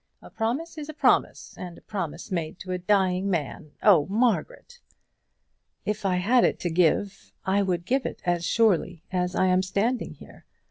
A promise is a promise; and a promise made to a dying man! Oh, Margaret!" "If I had it to give I would give it as surely as I am standing here.